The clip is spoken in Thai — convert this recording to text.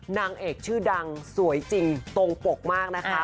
นางเอกชื่อดังสวยจริงตรงปกมากนะคะ